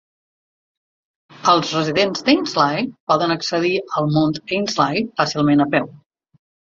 Els residents d'Ainslie poden accedir al Mount Ainslie fàcilment a peu.